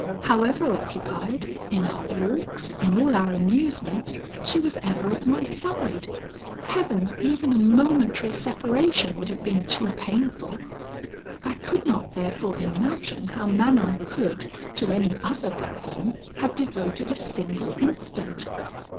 However occupied, in our walks, in all our amusements, she was ever at my side. Heavens! even a momentary separation would have been too painful. I could not therefore imagine how Manon could, to any other person, have devoted a single instant.